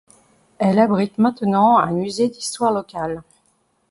Elle abrite maintenant un musée d'histoire locale.